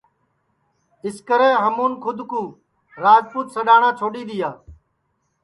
اِسکرے ہمُون کھود کُو راجپوت سڈؔاٹؔا چھوڈؔی دؔیا